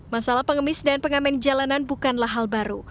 masalah pengemis dan pengamen jalanan bukanlah hal baru